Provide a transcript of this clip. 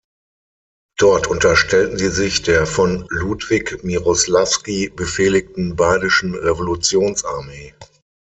Dort unterstellten sie sich der von Ludwik Mierosławski befehligten Badischen Revolutionsarmee.